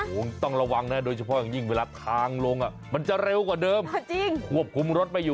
โอ้โหต้องระวังนะ